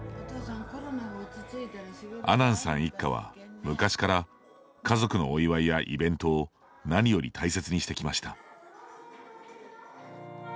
阿南さん一家は昔から家族のお祝いやイべントを何より大切にしてきました。